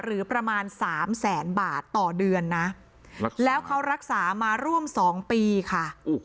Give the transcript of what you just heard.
หรือประมาณ๓แสนบาทต่อเดือนนะแล้วเขารักษามาร่วม๒ปีค่ะ